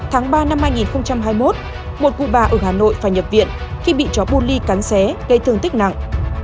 tháng ba năm hai nghìn hai mươi một một cụ bà ở hà nội phải nhập viện khi bị chó bu ly cắn xé gây thương tích nặng